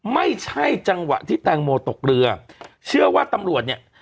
ไม่ใช่จังหวะที่แตงโมตกเรือเชื่อว่าตำรวจเนี่ย